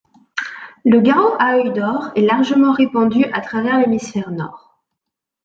Le Garrot à œil d'or est largement répandu à travers l'hémisphère nord.